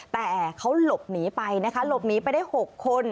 แต่เขาหลบหนีไปนะคะหลบหนีไปได้๖คน